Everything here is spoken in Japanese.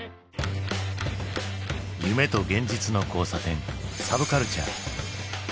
夢と現実の交差点サブカルチャー。